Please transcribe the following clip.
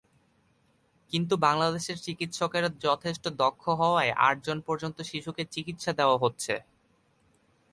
কিন্তু বাংলাদেশের চিকিৎসকেরা যথেষ্ট দক্ষ হওয়ায় আটজন পর্যন্ত শিশুকে চিকিৎসা দেওয়া হচ্ছে।